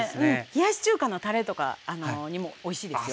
冷やし中華のたれとかにもおいしいですよ。